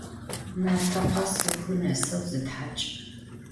Mafe khes vubgı neseu zıthaç'!